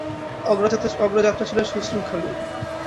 অগ্রযাত্রা ছিল সুশৃঙ্খলই।